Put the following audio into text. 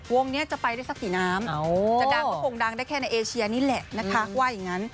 วงเนี่ยจะไปได้สักสี่น้ำจะดังก็คงดังได้แค่ในเอเชียนี่แหละนะคะ